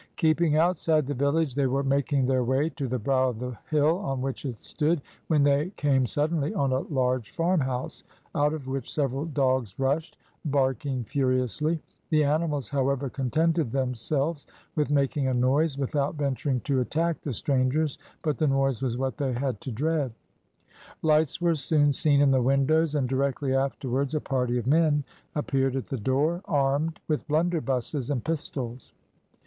Keeping outside the village, they were making their way to the brow of the bill on which it stood, when they came suddenly on a large farmhouse, out of which several dogs rushed, barking furiously; the animals, however, contented themselves with making a noise, without venturing to attack the strangers, but the noise was what they had to dread. Lights were soon seen in the windows, and directly afterwards a party of men appeared at the door, armed with blunderbusses and pistols.